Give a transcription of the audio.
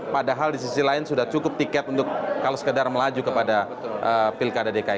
padahal di sisi lain sudah cukup tiket untuk kalau sekedar melaju kepada pilkada dki